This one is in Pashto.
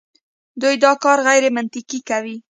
دوی دا کار غیرمنطقي کوي.